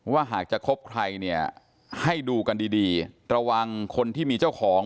ว่าหากจะคบใครให้ดูกันดีระวังคนที่มีเจ้าของ